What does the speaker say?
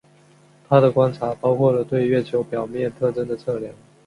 他的观察包括了对月球表面特征的测量。